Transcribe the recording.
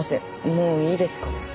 もういいですか？